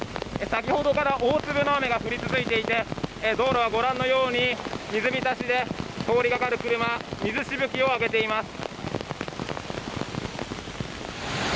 先ほどから大粒の雨が降り続いていて道路はご覧のように水浸しで通りがかる車は水しぶきを上げています。